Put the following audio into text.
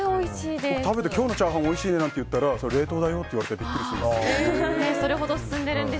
食べて今日のチャーハンおいしいなって言ったら冷凍だよって言われてビックリするんですよね。